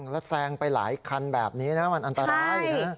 แล้วแซงไปหลายคันแบบนี้นะมันอันตรายนะ